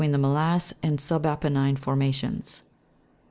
the mnlasse and siibapennine formations.